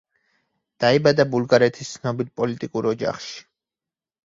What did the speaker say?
დაიბადა ბულგარეთის ცნობილ პოლიტიკურ ოჯახში.